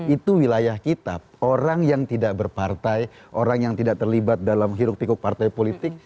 itu wilayah kita orang yang tidak berpartai orang yang tidak terlibat dalam hiruk tikuk partai politik